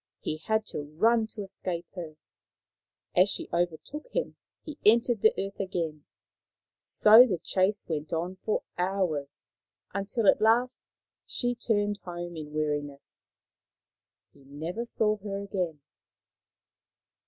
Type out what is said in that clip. He had to run to escape her. As she overtook him he entered the earth again. So the chase went on Hatupatu "7 for hours, until at last she turned home in weari ness. He never saw her again.